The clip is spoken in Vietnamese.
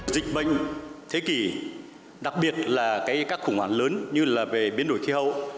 dịch bệnh thế kỷ đặc biệt là các khủng hoảng lớn như biến đổi thi hậu